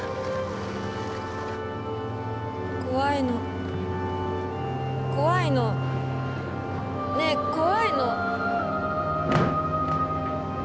怖いの怖いのねえ怖いの。